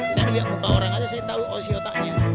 saya melihat muka orang saja saya tahu isi otaknya